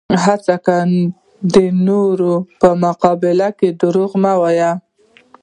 هیڅکله د نورو په مقابل کې دروغ مه وایه.